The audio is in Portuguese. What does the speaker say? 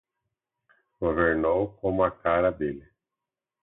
Governou como a cara dele!